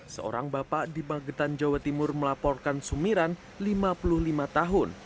seorang bapak di magetan jawa timur melaporkan sumiran lima puluh lima tahun